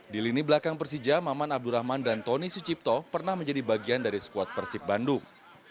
di lini belakang persija maman abdurrahman dan tony sucipto pernah menjadi bagian dari squad persib bandung